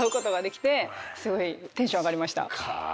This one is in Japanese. すごいテンション上がりました。